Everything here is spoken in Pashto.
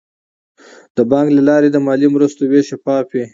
د بانک له لارې د مالي مرستو ویش شفاف وي.